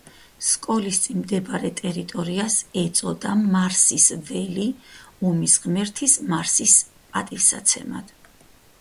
სკოლის წინ მდებარე ტერიტორიას ეწოდა მარსის ველი ომის ღმერთის მარსის პატივსაცემად.